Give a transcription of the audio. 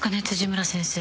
辻村先生。